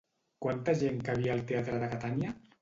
Quanta gent cabia al teatre de Catània?